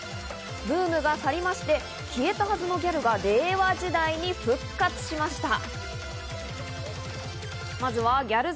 ブームが去りまして、消えたはずのギャルが令和時代に復活しました。